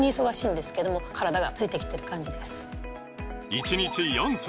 １日４粒！